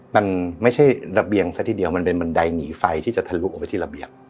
มันไม่ใช่ระเบียงซะทีเดียวมันเป็นบันไดหนีไฟที่จะทะลุออกไปที่ระเบียบ